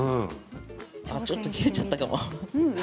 ちょっと切れちゃったかも。